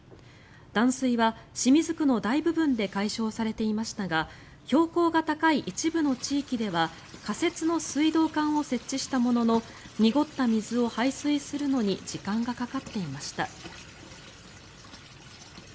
断水は清水区の大部分で解消されていましたが標高が高い一部の地域では仮設の水道管を設置したものの濁った水を排水するのに時間がかかっていました。